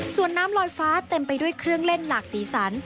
ส่วนน้ำลอยฟ้าเต็มไปด้วยเครื่องเล่นหลากสีสัน